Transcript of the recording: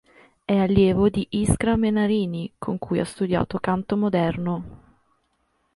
E' allievo di Iskra Menarini con cui ha studiato canto moderno.